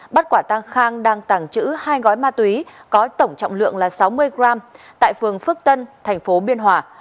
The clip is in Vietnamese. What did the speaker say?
bắt quả tăng khang đang tàng trữ hai gói ma túy có tổng trọng lượng là sáu mươi g tại phường phước tân thành phố biên hòa